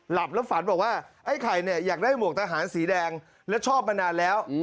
หลับแล้วฝันบอกว่าไอ้ไข่เนี่ยอยากได้หมวกทหารสีแดงและชอบมานานแล้ว